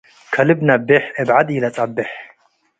ከልብ ነቤሕ እብ ዐድ ኢልአጸቤሕ።